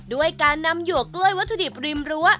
ด้วยการนำหยวกกล้วยวัตถุดิบริมรั้ว